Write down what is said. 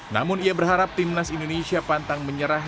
namun ia berharap timnas indonesia pantang menyerah